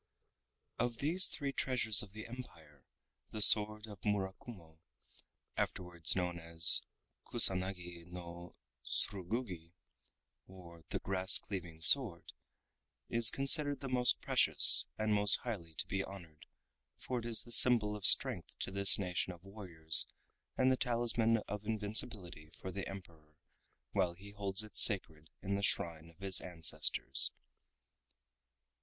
Of these three treasures of the Empire, the sword of Murakumo, afterwards known as Kusanagi no Tsrugugi, or the grass cleaving sword, is considered the most precious and most highly to be honored, for it is the symbol of strength to this nation of warriors and the talisman of invincibility for the Emperor, while he holds it sacred in the shrine of his ancestors.